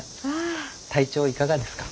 体調いかがですか？